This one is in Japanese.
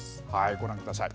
ご覧ください。